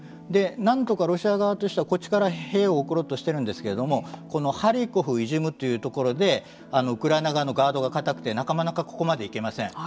なんとかロシア側としてはこっちから兵を送ろうとしているんですけれどもこのハリコフイジュームというところでウクライナ側のガードが堅くてなかなかここまで行けません。